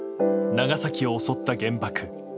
長崎を襲った原爆。